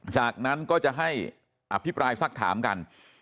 จากนั้นก็จะให้อภิปรายสักถามกัน